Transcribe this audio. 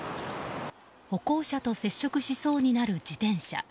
歩行者と接触しそうになる自転車。